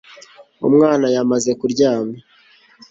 Umwana yamaze kuryama